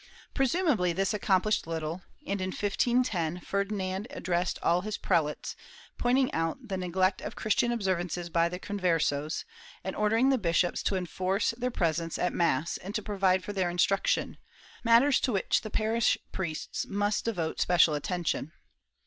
^ Presumably this accomplished little and, in 1510, Ferdi nand addressed all his prelates, pointing out the neglect of Chris tian observances by the Conversos, and ordering the bishops to enforce their presence at mass and to provide for their instruction, matters to which the parish priests must devote special attention.